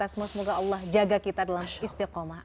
semoga allah jaga kita dalam istiqomah